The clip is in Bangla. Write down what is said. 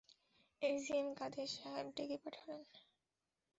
এজিএম কাদের সাহেব ডেকে পাঠালেন।